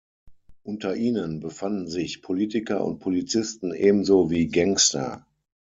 Unter ihnen befanden sich Politiker und Polizisten ebenso wie Gangster.